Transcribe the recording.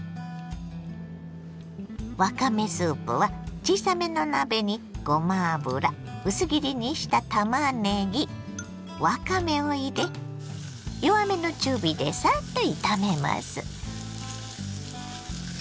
わかめスープは小さめの鍋にごま油薄切りにしたたまねぎわかめを入れ弱めの中火でサッと炒めます。